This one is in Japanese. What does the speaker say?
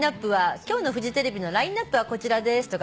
今日のフジテレビのラインアップはこちらですとか。